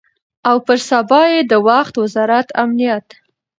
او پر سبا یې د وخت وزارت امنیت